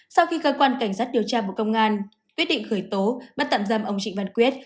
sau khi cơ quan cảnh sát điều tra bộ công an quyết định khởi tố bắt tạm giam ông trịnh văn quyết